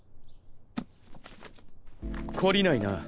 懲りないな。